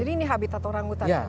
jadi ini habitat orang hutan ya